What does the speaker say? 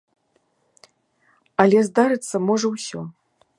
Але здарыцца можа ўсё.